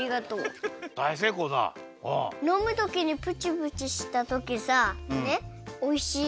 のむときにプチプチしたときさねっおいしい。